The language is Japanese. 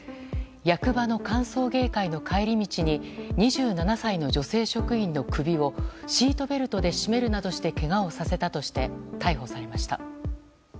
役場の歓送迎会の帰り道に２７歳の女性職員の首をシートベルトで絞めるなどしてけがをさせたとして逮捕されました。